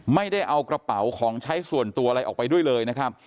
ไม่ได้เอากระเป๋าของใช้ส่วนตัวอะไรออกไปด้วยเลยนะครับ